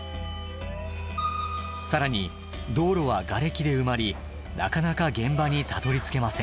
更に道路はがれきで埋まりなかなか現場にたどりつけません。